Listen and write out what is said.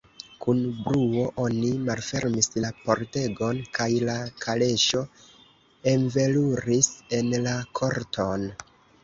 Kun bruo oni malfermis la pordegon, kaj la kaleŝo enveluris en la korton.